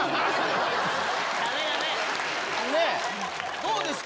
どうですか？